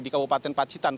di kabupaten pacitan